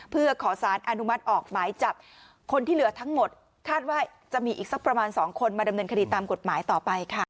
เพื่อขอสารอนุมัติออกหมายจับคนที่เหลือทั้งหมดคาดว่าจะมีอีกสักประมาณ๒คนมาดำเนินคดีตามกฎหมายต่อไปค่ะ